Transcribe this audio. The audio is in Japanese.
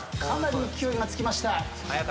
かなり勢いがつきました。